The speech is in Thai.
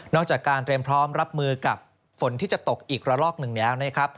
จากการเตรียมพร้อมรับมือกับฝนที่จะตกอีกระลอกหนึ่งแล้วนะครับ